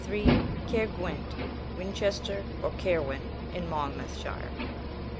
Cair guent (Winchester, or Caerwent, in Monmouthshire). 24.